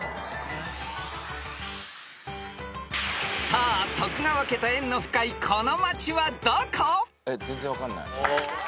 ［さあ徳川家と縁の深いこの町はどこ？］